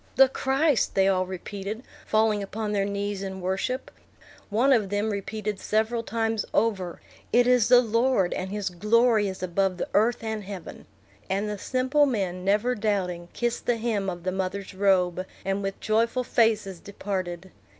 "The Christ!" they all repeated, falling upon their knees in worship. One of them repeated several times over, "It is the Lord, and his glory is above the earth and heaven." And the simple men, never doubting, kissed the hem of the mother's robe, and with joyful faces departed.